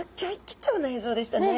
貴重な映像でしたね。